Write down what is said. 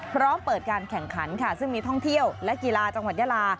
พร้อมเปิดการแข่งขันค่ะซึ่งมีท่องเที่ยวและกีฬาจังหวัดยาลา